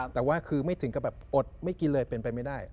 แต่ว่าคือไม่ถึงกับแบบอดไม่กินเลยเป็นไปไม่ได้